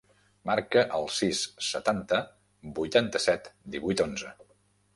Marca el sis, setanta, vuitanta-set, divuit, onze.